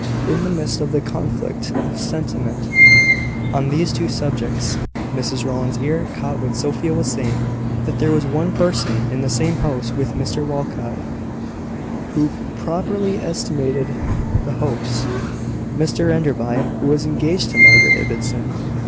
In the midst of the conflict of sentiment on these two subjects, Mrs Rowland's ear caught what Sophia was saying that there was one person in the same house with Mr Walcot who properly estimated the Hopes Mr Enderby, who was engaged to Margaret Ibbotson.